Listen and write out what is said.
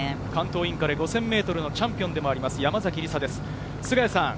関東インカレ５０００ｍチャンピオンでもあります、山崎りさです。